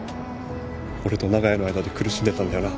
俺と長屋の間で苦しんでたんだよな？